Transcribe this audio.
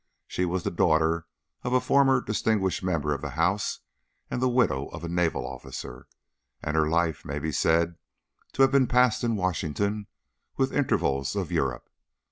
She was the daughter of a former distinguished member of the House and the widow of a naval officer, and her life may be said to have been passed in Washington with intervals of Europe.